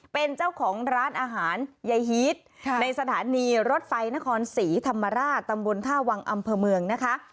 เป็นเจ้าของร้านอาหารยายฮีตในสถานีรถไฟนครศรีธรรมราชตำบลท่าวังอำเภอเมืองนะคะ